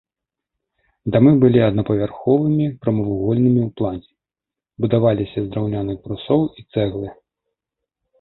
Дамы былі аднапавярховымі, прамавугольнымі ў плане, будаваліся з драўляных брусоў і цэглы.